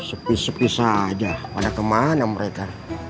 sepis sepis saja pada kemana mereka